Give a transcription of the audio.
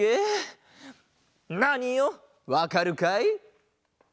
ナーニよわかるかい？